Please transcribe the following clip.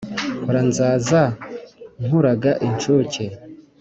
hora nzaza nkuraga incuke